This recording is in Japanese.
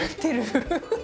フフフッ。